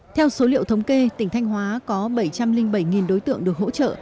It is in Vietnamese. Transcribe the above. theo số liệu thống kê tỉnh thanh hóa có bảy trăm linh bảy đối tượng được hỗ trợ